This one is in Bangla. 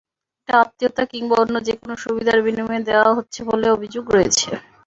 এটা আত্মীয়তা কিংবা অন্য যেকোনো সুবিধার বিনিময়ে দেওয়া হচ্ছে বলে অভিযোগ রয়েছে।